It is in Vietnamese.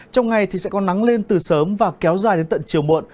trong ngày thì sẽ có nắng lên từ sớm và kéo dài đến tận chiều muộn